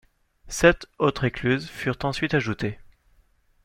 Sept autres écluses furent ensuite ajoutées.